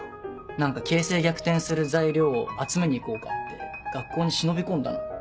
何か形勢逆転する材料を集めに行こうかって学校に忍び込んだの。